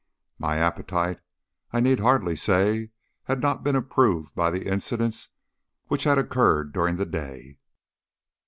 My appetite, I need hardly say, had not been improved by the incidents which had occurred during the day.